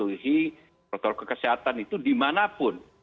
untuk mematuhi protokol kesehatan itu dimanapun